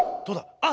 あっ！